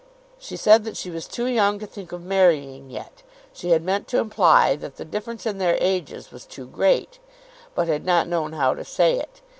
She said that she was too young to think of marrying yet. She had meant to imply that the difference in their ages was too great, but had not known how to say it.